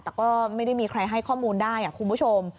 แต่ก็ไม่ได้มีใครให้ข้อมูลได้คุณผู้ชม